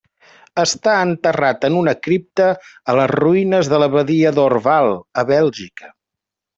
Està enterrat en una cripta a les ruïnes de l'abadia d'Orval a Bèlgica.